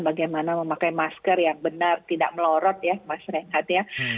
bagaimana memakai masker yang benar tidak melorot ya masker yang hati ya